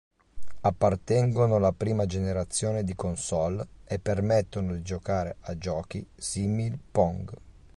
Appartengono alla prima generazione di console e permettono di giocare a giochi simil-Pong.